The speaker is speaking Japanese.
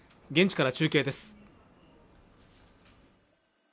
現地から中継です